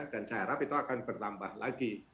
dan saya harap itu akan bertambah lagi